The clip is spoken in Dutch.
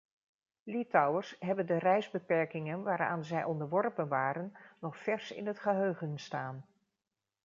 Litouwers hebben de reisbeperkingen waaraan zij onderworpen waren nog vers in het geheugen staan.